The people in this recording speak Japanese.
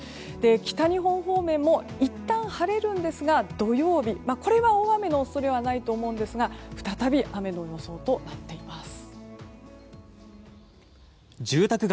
北日本方面もいったん晴れるんですが土曜日、これは大雨の恐れはないと思うんですが再び雨の予想となっています。